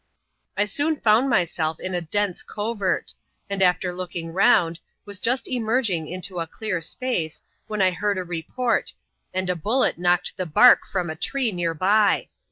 I soon found myself in a dense covert ; and, after lodung round, was just emerging into a dear space, when I heard a report, and a bullet knocked the bark from a tree near by.